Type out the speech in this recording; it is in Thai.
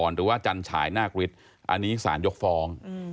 หรือว่าจันฉายนาคฤทธิ์อันนี้สารยกฟ้อง